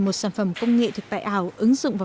một sản phẩm công nghệ thực tại ảo